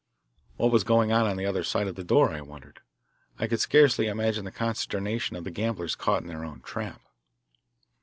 What was going on on the other side of the door, I wondered. I could scarcely imagine the consternation of the gamblers caught in their own trap.